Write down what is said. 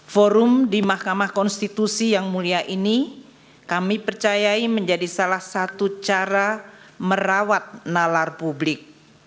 forum di mahkamah konstitusi yang mulia ini kami percayai menjadi salah satu cara merawat nalar publik